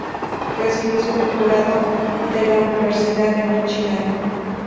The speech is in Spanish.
Recibió su doctorado de la Universidad de Míchigan.